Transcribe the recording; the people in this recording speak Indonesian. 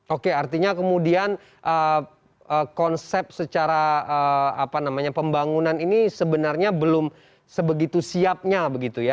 oke artinya kemudian konsep secara pembangunan ini sebenarnya belum sebegitu siapnya begitu ya